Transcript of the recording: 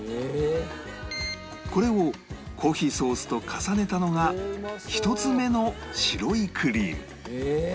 これをコーヒーソースと重ねたのが１つ目の白いクリーム